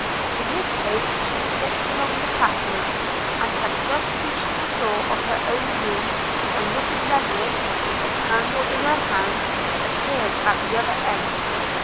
In this hope she tripped along the passage, and had just reached the door of her own room, when Mrs Lennard, with a candle in her hand, appeared at the other end.